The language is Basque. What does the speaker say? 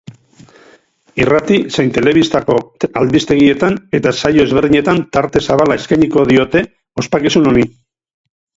Irrati zein telebistako albistegietan eta saio ezberdinetan tarte zabala eskainiko diote ospakizun honi.